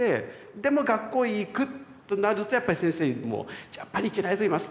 でも学校へ行くとなるとやっぱり先生にも「やっぱり行けないと思います」。